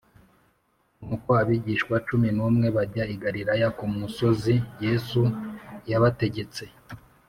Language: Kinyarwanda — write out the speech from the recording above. Nuko abigishwa cumi n’umwe bajya i Galilaya ku musozi Yesu yabategetse.